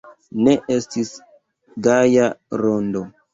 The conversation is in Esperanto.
Ni estis gaja rondo.